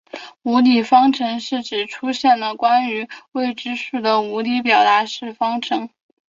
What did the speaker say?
无理方程是指出现了关于未知数的无理表达式的方程。